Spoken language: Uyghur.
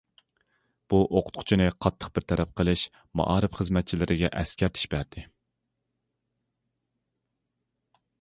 بۇ ئوقۇتقۇچىنى قاتتىق بىر تەرەپ قىلىش مائارىپ خىزمەتچىلىرىگە ئەسكەرتىش بەردى.